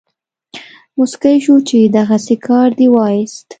موسکی شو چې دغسې کار دې وایست.